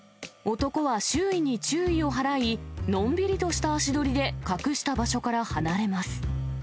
男は周囲に注意を払い、のんびりとした足取りで隠した場所から離れます。